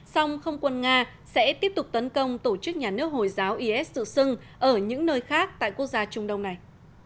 sông không quân nga sẽ tiếp tục tấn công tổ chức nhà nước hồi giáo is sự sưng ở những nơi khác tại quốc gia trung đông này